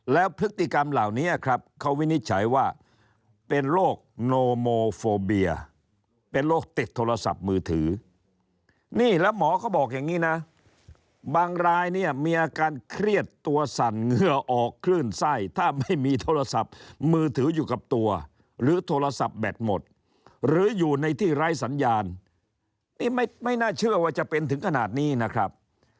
แล้วพฤติกรรมเหล่านี้ครับเขาวินิจฉัยว่าเป็นโรคโนโมโฟเบียเป็นโรคติดโทรศัพท์มือถือนี่แล้วหมอก็บอกอย่างนี้นะบางรายเนี่ยมีอาการเครียดตัวสั่นเหงื่อออกคลื่นไส้ถ้าไม่มีโทรศัพท์มือถืออยู่กับตัวหรือโทรศัพท์แบตหมดหรืออยู่ในที่ไร้สัญญาณนี่ไม่น่าเชื่อว่าจะเป็นถึงขนาดนี้นะครับ